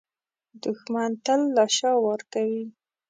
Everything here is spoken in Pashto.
دښمن تل له شا وار کوي